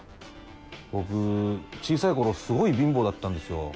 僕小さい頃すごい貧乏だったんですよ。